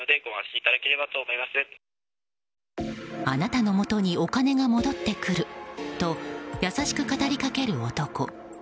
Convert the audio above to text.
あなたのもとにお金が戻ってくると優しく語り掛ける男。